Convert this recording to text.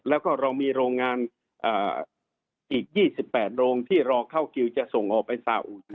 แล้วก็เรามีโรงงานอีก๒๘โรงที่รอเข้าคิวจะส่งออกไปสาอุ